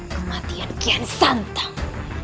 kematian kian santang